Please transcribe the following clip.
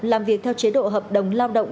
làm việc theo chế độ hợp đồng lao động